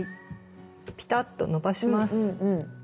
ピタッとのばします。